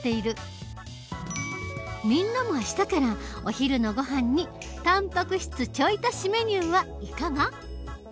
みんなも明日からお昼のごはんにたんぱく質ちょい足しメニューはいかが？